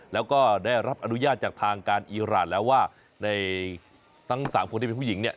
แล้วก็ได้รับอนุญาตจากทางการอีรานแล้วว่าในทั้ง๓คนที่เป็นผู้หญิงเนี่ย